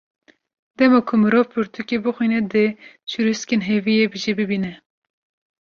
Dema ku mirov pirtûkê bixwîne, dê çirûskên hêviyê jî bibîne ….